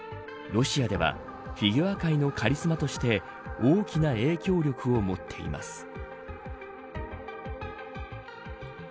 ロシアではフィギュア界のカリスマとして大きな影響力を持っています。